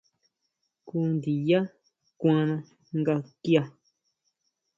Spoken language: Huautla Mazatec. Jngu ndiyá kuana nga kia.